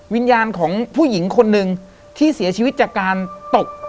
วิญญาณของผู้หญิงคนหนึ่งที่เสียชีวิตจากการตก